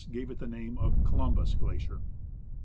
gave it the name of " Colum bus Glacier."